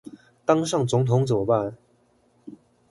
當上總統怎麼辦？